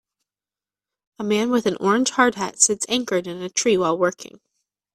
A man with an orange hard hat sits anchored in a tree while working.